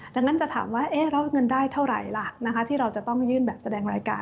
ดังนั้นจะถามว่าแล้วเงินได้เท่าไหร่ล่ะที่เราจะต้องยื่นแบบแสดงรายการ